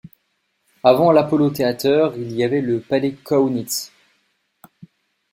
Avant l'Apollo-Theater, il y avait le palais Kaunitz.